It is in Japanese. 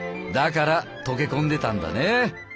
だから溶け込んでたんだね。